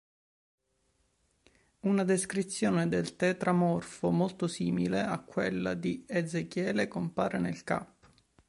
Una descrizione del tetramorfo molto simile a quella di Ezechiele compare nel cap.